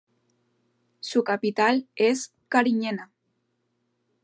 Su capital es Cariñena.